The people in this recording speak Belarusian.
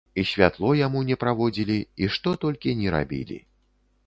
І святло яму не праводзілі, і што толькі ні рабілі.